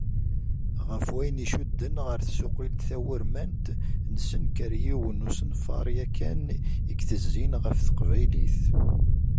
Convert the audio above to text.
Ɣef wayen icudden ɣer tsuqilt tawurmant, nsenker yiwen n usenfar yakan i itezzin ɣef teqbaylit.